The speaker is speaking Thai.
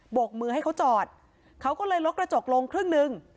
กมือให้เขาจอดเขาก็เลยลดกระจกลงครึ่งหนึ่ง